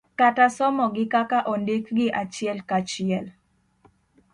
kata somogi kaka ondikgi achiel kachiel